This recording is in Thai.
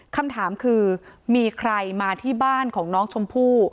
คำถามคือมีใครมาที่บ้านของน้องชมพู่